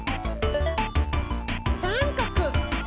さんかく！